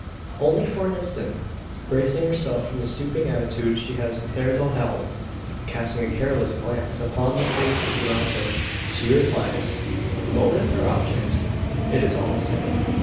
Only for an instant. Braising herself from the stooping attitude she has hitherto held, and casting a careless glance upon the faces around her, she replies "Motive, or object, it is all the same.